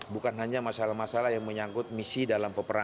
bukan hanya masalah masalah yang menyangkut misi dalam peperangan